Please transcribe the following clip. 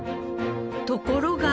ところが。